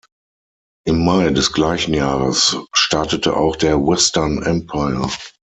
Im Mai des gleichen Jahres startete auch der "Western Empire".